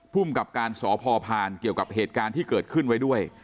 ภูมิกับการสพพานเกี่ยวกับเหตุการณ์ที่เกิดขึ้นไว้ด้วย